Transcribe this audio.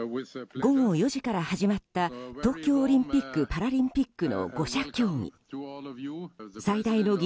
午後４時から始まった東京オリンピック・パラリンピックの５者協議。